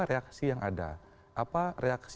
reaksi yang ada apa reaksi